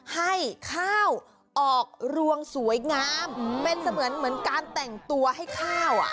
ให้ข้าวออกรวงสวยงามเป็นเสมือนเหมือนการแต่งตัวให้ข้าวอ่ะ